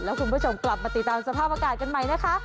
แล้วคุณผู้ชมกลับมาติดตามสภาพอากาศกันใหม่นะคะ